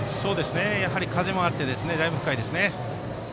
やはり風もあってだいぶ深いですね。